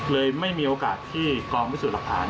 เลยไม่มีโอกาสที่กรมวิสุทธิ์หลักฐาน